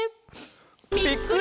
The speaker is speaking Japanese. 「ぴっくり！